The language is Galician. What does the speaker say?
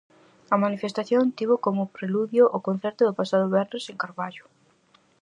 A manifestación tivo como preludio o concerto do pasado venres en Carballo.